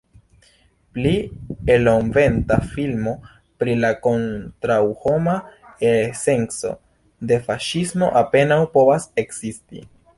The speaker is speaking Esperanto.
Pli elokventa filmo pri la kontraŭhoma esenco de faŝismo apenaŭ povas ekzisti.